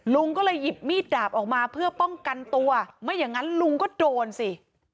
ลุงก็เลยหยิบมีดดาบออกมาเพื่อป้องกันตัวไม่อย่างนั้นลุงก็โดนสิ